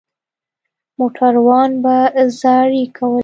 موټروان به زارۍ کولې.